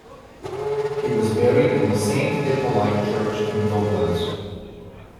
He was buried in the Saint Hippolyte church in Gobelins.